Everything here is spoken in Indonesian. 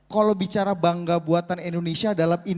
kalau bicara bangga buatan indonesia dalam ini